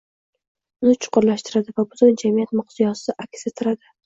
uni chuqurlashtiradi va butun jamiyat miqyosida aks ettiradi.